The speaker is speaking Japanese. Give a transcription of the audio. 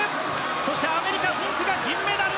そしてアメリカのフィンクが銀メダル。